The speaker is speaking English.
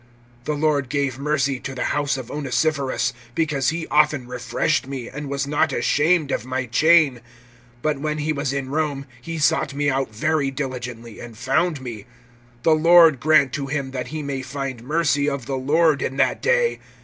(16)The Lord give mercy to the house of Onesiphorus; because he often refreshed me, and was not ashamed of my chain; (17)but when he was in Rome, he sought me out very diligently, and found me. (18)The Lord grant to him, that he may find mercy of the Lord in that day!